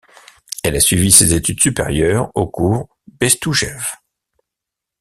Elle a suivi ses études supérieures aux Cours Bestoujev.